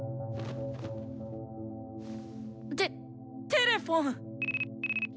テテレフォン！